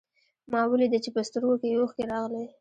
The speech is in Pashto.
ما وليده چې په سترګو کې يې اوښکې راغلې.